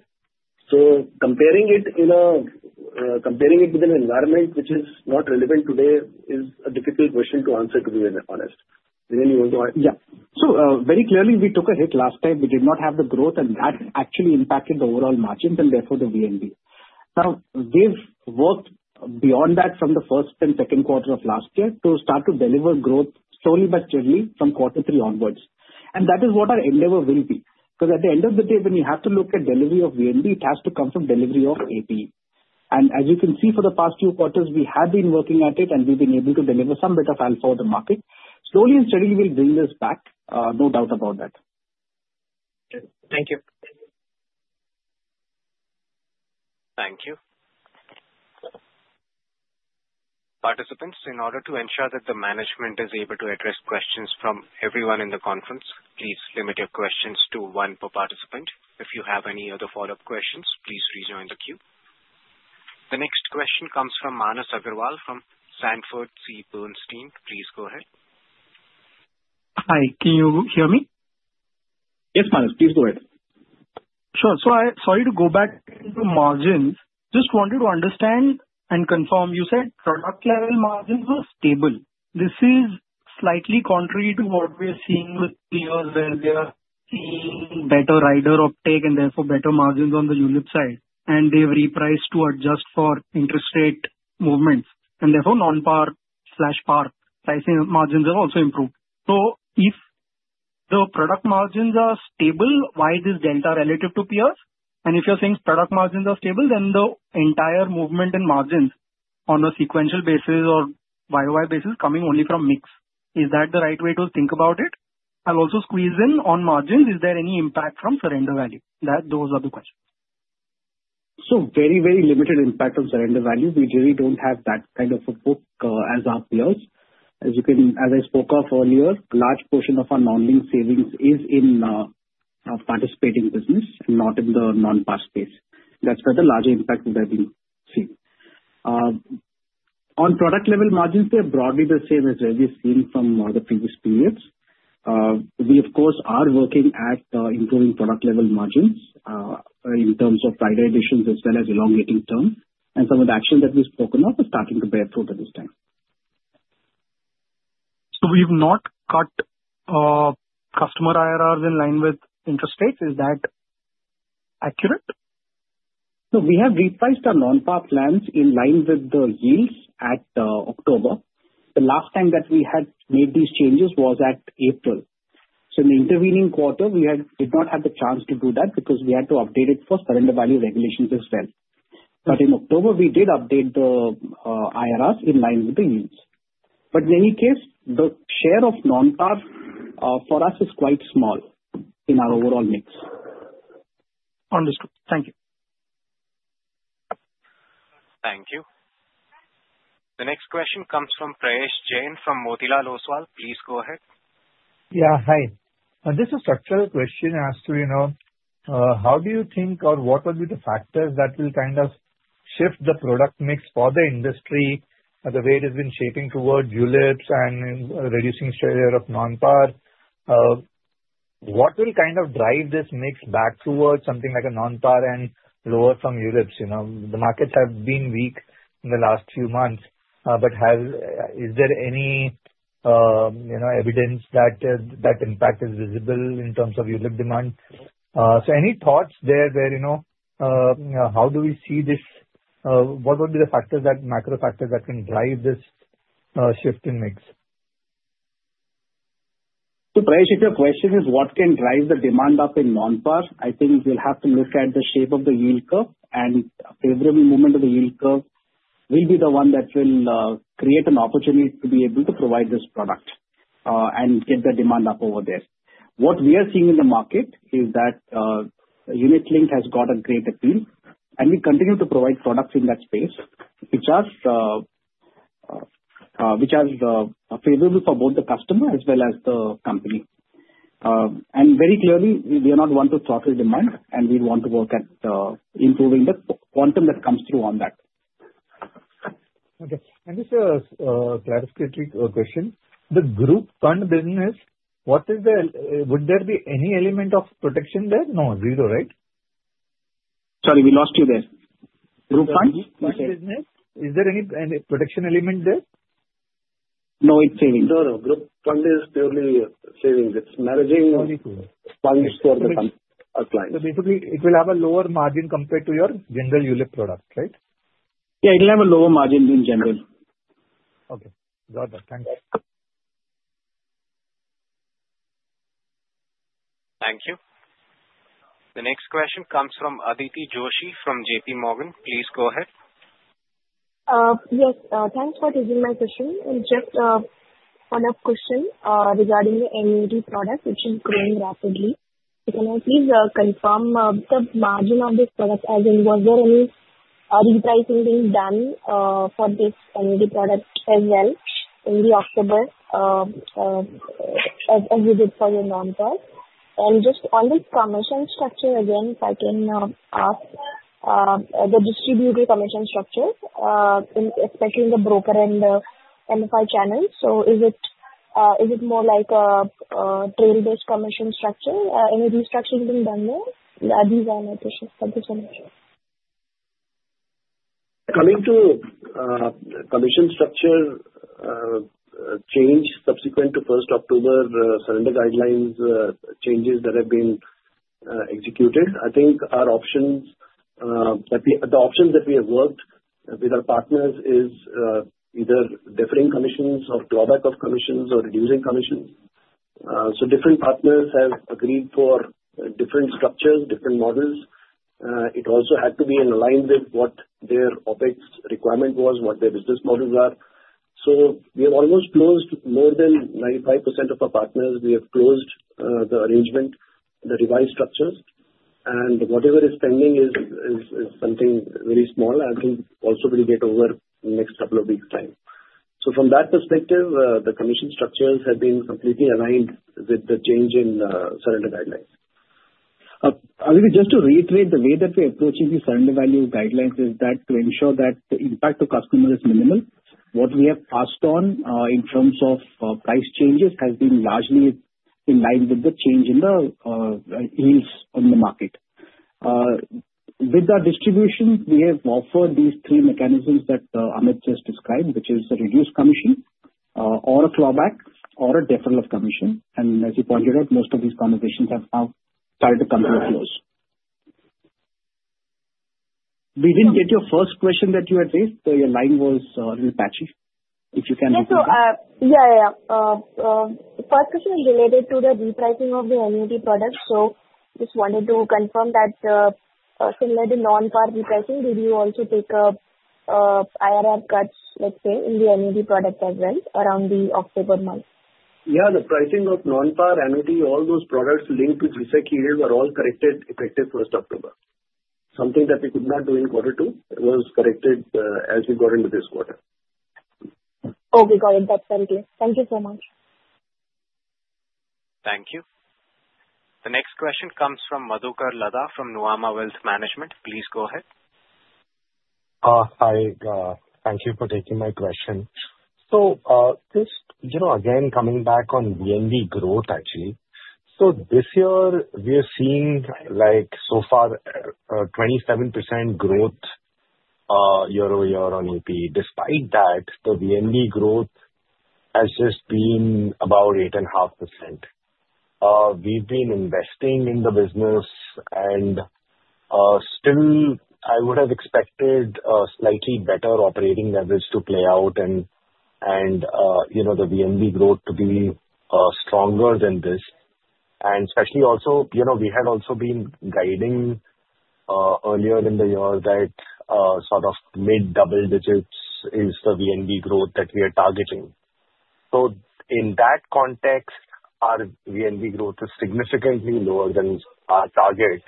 So comparing it with an environment which is not relevant today is a difficult question to answer, to be honest. Dhiren, you want to add? Yeah. So very clearly, we took a hit last time. We did not have the growth, and that actually impacted the overall margins and therefore the VNB. Now, we've worked beyond that from the first and second quarter of last year to start to deliver growth slowly but steadily from quarter three onwards. And that is what our endeavor will be. Because at the end of the day, when you have to look at delivery of VNB, it has to come from delivery of APE. And as you can see, for the past few quarters, we have been working at it, and we've been able to deliver some bit of alpha of the market. Slowly and steadily, we'll bring this back. No doubt about that. Thank you. Thank you. Participants, in order to ensure that the management is able to address questions from everyone in the conference, please limit your questions to one per participant. If you have any other follow-up questions, please rejoin the queue. The next question comes from Manas Agrawal from Sanford C. Bernstein. Please go ahead. Hi. Can you hear me? Yes, Manas. Please go ahead. Sure. So sorry to go back to margins. Just wanted to understand and confirm. You said product-level margins were stable. This is slightly contrary to what we are seeing with peers where they are seeing better rider uptake and therefore better margins on the unit side. And they've repriced to adjust for interest rate movements. And therefore, non-PAR/PAR pricing margins have also improved. So if the product margins are stable, why this delta relative to peers? And if you're saying product margins are stable, then the entire movement in margins on a sequential basis or YOY basis coming only from mix, is that the right way to think about it? I'll also squeeze in on margins. Is there any impact from surrender value? Those are the questions. So very, very limited impact on surrender value. We really don't have that kind of a book as our peers. As I spoke of earlier, a large portion of our non-link savings is in participating business and not in the non-PAR space. That's where the larger impact would have been seen. On product-level margins, they're broadly the same as we've seen from the previous periods. We, of course, are working at improving product-level margins in terms of rider additions as well as elongating term. And some of the actions that we've spoken of are starting to bear fruit at this time. So we've not cut customer IRRs in line with interest rates. Is that accurate? We have repriced our non-PAR plans in line with the yields at October. The last time that we had made these changes was at April. In the intervening quarter, we did not have the chance to do that because we had to update it for surrender value regulations as well. In October, we did update the IRRs in line with the yields. In any case, the share of non-PAR for us is quite small in our overall mix. Understood. Thank you. Thank you. The next question comes from Prayesh Jain from Motilal Oswal. Please go ahead. Yeah. Hi. This is a structural question as to how do you think or what would be the factors that will kind of shift the product mix for the industry the way it has been shaping towards units and reducing share of non-PAR? What will kind of drive this mix back towards something like a non-PAR and lower from units? The markets have been weak in the last few months. But is there any evidence that that impact is visible in terms of unit demand? So any thoughts there where how do we see this? What would be the factors that macro factors that can drive this shift in mix? Prayesh, if your question is what can drive the demand up in non-PAR, I think we'll have to look at the shape of the yield curve. And favorable movement of the yield curve will be the one that will create an opportunity to be able to provide this product and get the demand up over there. What we are seeing in the market is that Unit Linked has got a great appeal. And we continue to provide products in that space, which are favorable for both the customer as well as the company. And very clearly, we do not want to throttle demand, and we want to work at improving the quantum that comes through on that. Okay. And just a clarificatory question. The group fund business, what is, would there be any element of protection there? No, zero, right? Sorry, we lost you there. Group Fund? Group fund business, is there any protection element there? No, it's savings. No, no. Group Fund is purely savings. It's managing funds for the clients. So basically, it will have a lower margin compared to your general unit product, right? Yeah, it'll have a lower margin in general. Okay. Got it. Thanks. Thank you. The next question comes from Aditi Joshi from J.P. Morgan. Please go ahead. Yes. Thanks for taking my question. Just one more question regarding the annuity product, which is growing rapidly. Can I please confirm the margin of this product as in, was there any repricing being done for this annuity product as well in October as we did for the non-PAR? And just on this commission structure again, if I can ask, the distributed commission structure, especially in the broker and the MFI channel, so is it more like a trail-based commission structure? Any restructuring being done there? These are my questions. Thank you so much. Coming to commission structure change subsequent to first October surrender guidelines changes that have been executed. I think our options that we have worked with our partners is either differing commissions or clawback of commissions or reducing commissions. So different partners have agreed for different structures, different models. It also had to be in alignment with what their OpEx requirement was, what their business models are. So we have almost closed more than 95% of our partners. We have closed the arrangement, the revised structures. And whatever is pending is something very small. I think also we'll get over in the next couple of weeks' time. So from that perspective, the commission structures have been completely aligned with the change in surrender guidelines. Just to reiterate, the way that we're approaching these surrender value guidelines is that to ensure that the impact to customer is minimal. What we have passed on in terms of price changes has been largely in line with the change in the yields on the market. With our distribution, we have offered these three mechanisms that Amit just described, which is a reduced commission, or a clawback, or a deferral of commission, and as you pointed out, most of these conversations have now started to come to a close. We didn't get your first question that you had raised, so your line was a little patchy. If you can repeat that. The first question is related to the repricing of the annuity product. So just wanted to confirm that similar to non-PAR repricing, did you also take IRR cuts, let's say, in the annuity product as well around the October month? Yeah, the pricing of non-PAR, annuity, all those products linked with G-Sec yields were all corrected effective first October. Something that we could not do in quarter two was corrected as we got into this quarter. Oh, we got it. That's very clear. Thank you so much. Thank you. The next question comes from Madhukar Ladha from Nuvama Wealth Management. Please go ahead. Hi. Thank you for taking my question. So just again, coming back on VNB growth, actually. So this year, we are seeing so far 27% growth year over year on AP. Despite that, the VNB growth has just been about 8.5%. We've been investing in the business, and still, I would have expected a slightly better operating average to play out and the VNB growth to be stronger than this. And especially also, we had also been guiding earlier in the year that sort of mid double digits is the VNB growth that we are targeting. So in that context, our VNB growth is significantly lower than our target.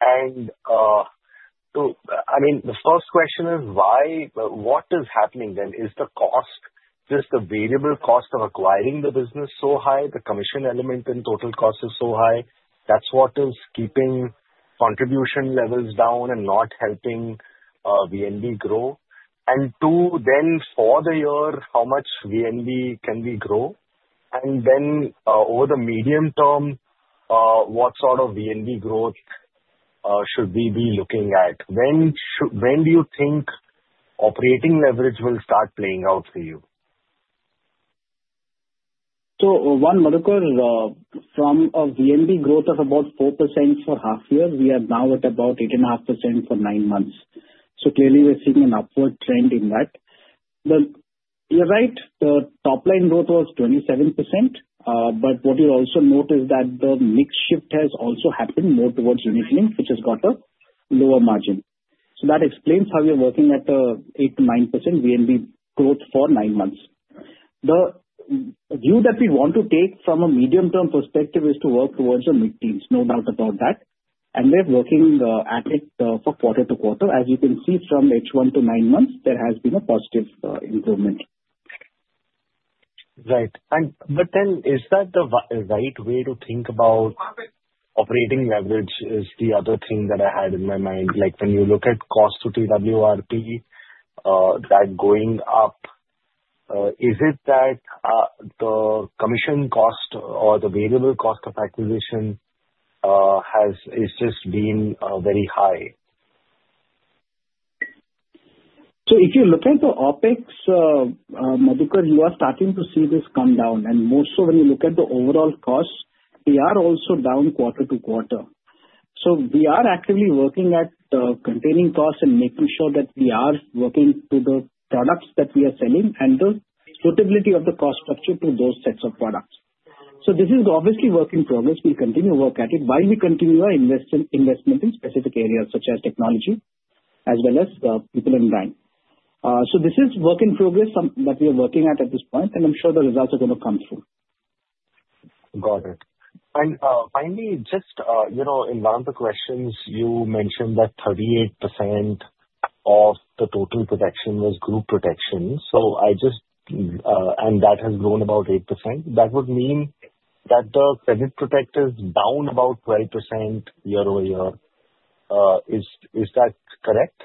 And I mean, the first question is why? What is happening then? Is the cost, just the variable cost of acquiring the business, so high? The commission element and total cost is so high. That's what is keeping contribution levels down and not helping VNB grow. And two, then for the year, how much VNB can we grow? And then over the medium term, what sort of VNB growth should we be looking at? When do you think operating leverage will start playing out for you? So one, Madhukar, from a VNB growth of about 4% for half year, we are now at about 8.5% for nine months. So clearly, we're seeing an upward trend in that. But you're right. The top-line growth was 27%. But what you also note is that the mix shift has also happened more towards Unit Linked, which has got a lower margin. So that explains how we are working at the 8 to 9% VNB growth for nine months. The view that we want to take from a medium-term perspective is to work towards the mid-teens, no doubt about that. And we're working at it for quarter to quarter. As you can see from H1 to nine months, there has been a positive improvement. Right. But then, is that the right way to think about operating leverage? Is the other thing that I had in my mind. Like when you look at Cost to TWRP, that going up, is it that the commission cost or the variable cost of acquisition has just been very high? So if you look at the OpEx, Madhukar, you are starting to see this come down. And more so when you look at the overall costs, they are also down quarter to quarter. So we are actively working at containing costs and making sure that we are working to the products that we are selling and the suitability of the cost structure to those sets of products. So this is obviously a work in progress. We continue to work at it while we continue our investment in specific areas such as technology as well as people in bank. So this is a work in progress that we are working at at this point, and I'm sure the results are going to come through. Got it. And finally, just in one of the questions, you mentioned that 38% of the total protection was group protection. So I just, and that has grown about 8%. That would mean that the credit protection is down about 12% year over year. Is that correct?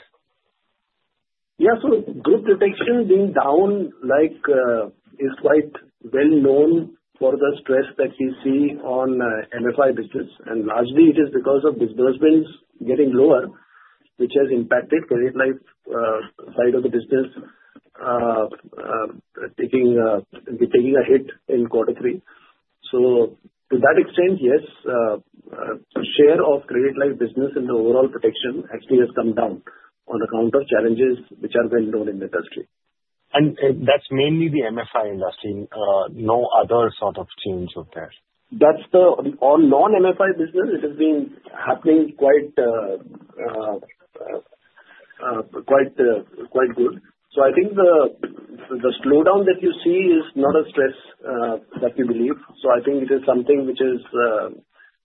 Yeah. So group protection being down is quite well known for the stress that we see on MFI business. And largely, it is because of disbursements getting lower, which has impacted credit-life side of the business, taking a hit in quarter three. So to that extent, yes, the share of credit-life business in the overall protection actually has come down on account of challenges which are well known in the industry. That's mainly the MFI industry. No other sort of change up there? That's the non-MFI business. It has been happening quite good. So I think the slowdown that you see is not a stress that we believe. So I think it is something which is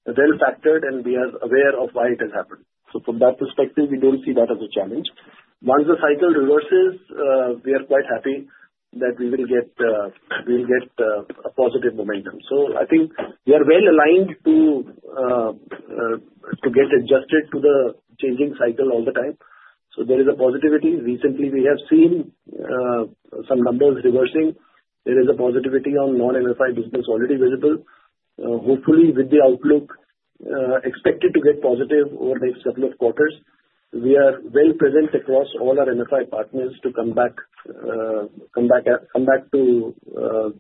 well factored, and we are aware of why it has happened. So from that perspective, we don't see that as a challenge. Once the cycle reverses, we are quite happy that we will get a positive momentum. So I think we are well aligned to get adjusted to the changing cycle all the time. So there is a positivity. Recently, we have seen some numbers reversing. There is a positivity on non-MFI business already visible. Hopefully, with the outlook expected to get positive over the next couple of quarters, we are well present across all our MFI partners to come back to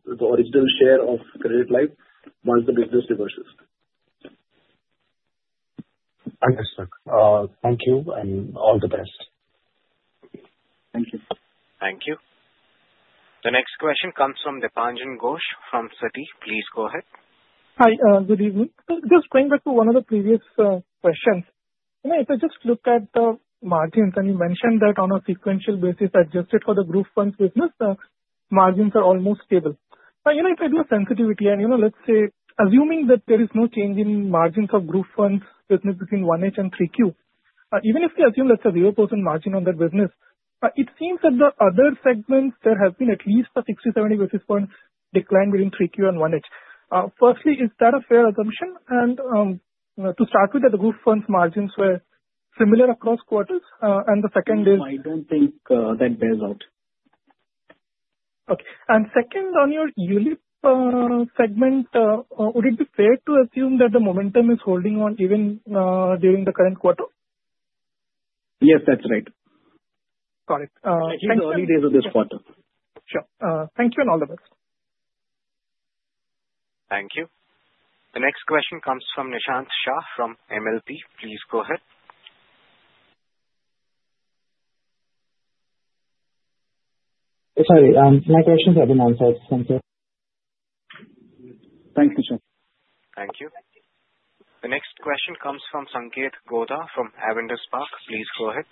the original share of credit life once the business reverses. Understood. Thank you. And all the best. Thank you. Thank you. The next question comes from Dipanjan Ghosh from Citi. Please go ahead. Hi. Good evening. Just going back to one of the previous questions. If I just look at the margins, and you mentioned that on a sequential basis, adjusted for the group funds business, margins are almost stable. If I do a sensitivity and let's say, assuming that there is no change in margins of group funds business between H1 and Q3, even if we assume that's a 0% margin on that business, it seems that the other segments, there has been at least a 60 bps to 70 bps decline between Q3 and H1. Firstly, is that a fair assumption? And to start with, are the group funds margins similar across quarters? And the second is. No, I don't think that bears out. Okay. And second, on your unit segment, would it be fair to assume that the momentum is holding on even during the current quarter? Yes, that's right. Got it. Thank you. In the early days of this quarter. Sure. Thank you and all the best. Thank you. The next question comes from Nishant Shah from Macquarie. Please go ahead. Sorry. My question has been answered. Thank you. Thank you, sir. Thank you. The next question comes from Sanketh Godha from Avendus Spark. Please go ahead.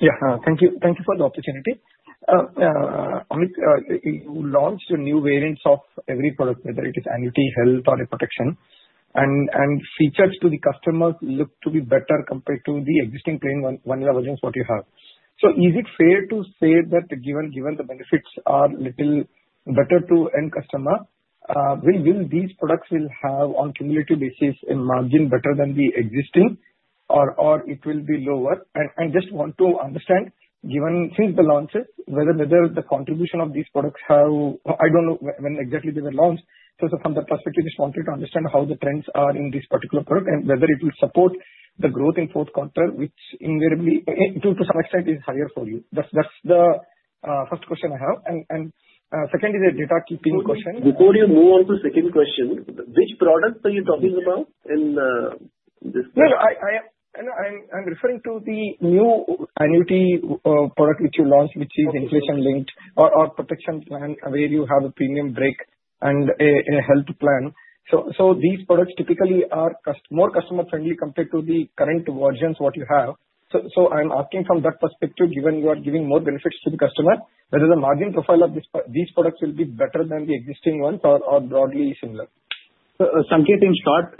Yeah. Thank you for the opportunity. Amit, you launched a new variant of every product, whether it is annuity, health, or a protection. And features to the customers look to be better compared to the existing plain vanilla versions what you have. So is it fair to say that given the benefits are a little better to end customer, will these products have on cumulative basis a margin better than the existing, or it will be lower? And I just want to understand, since the launch, whether the contribution of these products have, I don't know when exactly they were launched. So from that perspective, I just wanted to understand how the trends are in this particular product and whether it will support the growth in fourth quarter, which invariably, to some extent, is higher for you. That's the first question I have. And second is a data keeping question. Before you move on to the second question, which product are you talking about in this question? No, I'm referring to the new annuity product which you launched, which is inflation-linked or protection plan where you have a premium break and a health plan. So these products typically are more customer-friendly compared to the current versions what you have. So I'm asking from that perspective, given you are giving more benefits to the customer, whether the margin profile of these products will be better than the existing ones or broadly similar? Sanketh, in short,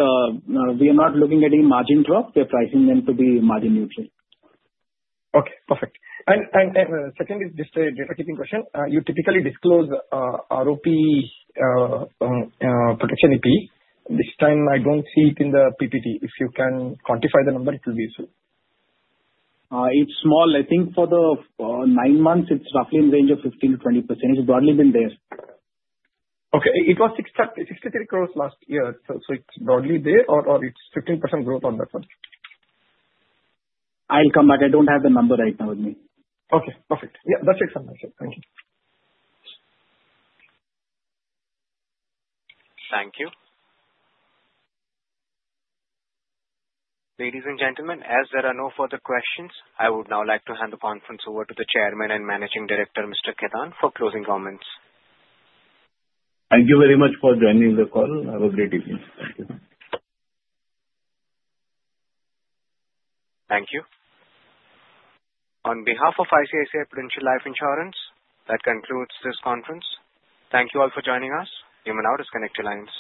we are not looking at any margin drop. We are pricing them to be margin neutral. Okay. Perfect. Second is just a data-keeping question. You typically disclose ROP protection AP. This time, I don't see it in the PPT. If you can quantify the number, it will be useful. It's small. I think for the nine months, it's roughly in the range of 15% to 20%. It's broadly been there. Okay. It was 63 crores last year. So it's broadly there, or it's 15% growth on that one? I'll come back. I don't have the number right now with me. Okay. Perfect. Yeah. That's exactly my question. Thank you. Thank you. Ladies and gentlemen, as there are no further questions, I would now like to hand the conference over to the Chairman and Managing Director, Mr. Bagchi or Mr. Kannan, for closing comments. Thank you very much for joining the call. Have a great evening. Thank you. Thank you. On behalf of ICICI Prudential Life Insurance, that concludes this conference. Thank you all for joining us. You may now disconnect your lines.